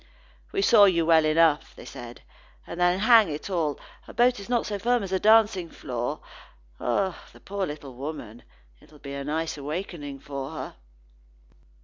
"We saw you well enough," said they. "And, then, hang it all, a boat is not so firm as a dancing floor. Ah! the poor little woman, it'll be a nice awakening for her."